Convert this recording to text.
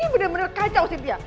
ini bener bener kacau sintia